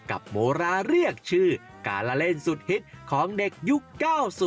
โมราเรียกชื่อการละเล่นสุดฮิตของเด็กยุค๙๐